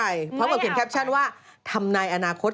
ไม่เอาไปเพราะเฉพาะเห็นแคปชั่นว่าทำนายอนาคต